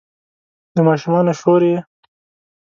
د ماشومانو شور یې